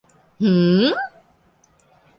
หือ ?